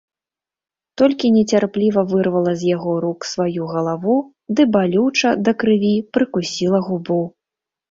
Толькі нецярпліва вырвала з яго рук сваю галаву ды балюча, да крыві, прыкусіла губу.